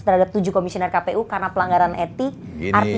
kemudian dkpp juga memberikan sanksi pelanggaran etik kepada ketua mk anwar usman